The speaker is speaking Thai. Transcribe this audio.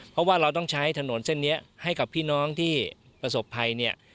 เพราะว่าเราต้องใช้ถนนเส้นนี้ให้กับพี่น้องที่ประสบภัยเนี่ย